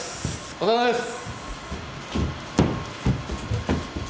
お疲れさまです！